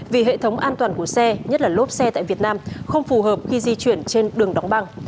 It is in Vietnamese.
vì hệ thống an toàn của xe nhất là lốp xe tại việt nam không phù hợp khi di chuyển trên đường đóng băng